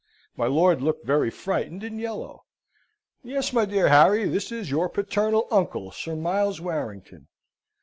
My lord looked very frightened and yellow. "Yes, my dear Harry. This is your paternal uncle, Sir Miles Warrington."